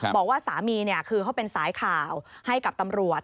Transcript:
บอกว่าสามีคือเขาเป็นสายข่าวให้กับตำรวจ